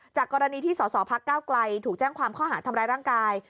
กรณีที่สสพักก้าวไกลถูกแจ้งความข้อหาทำร้ายร่างกาย